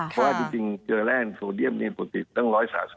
เพราะว่าที่จริงเจอแรงโซเดียมปุฏิตั้ง๑๓๐